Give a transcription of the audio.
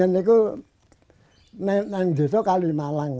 itu adalah kalimawang